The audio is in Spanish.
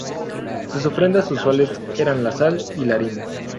Sus ofrendas usuales eran la sal y la harina.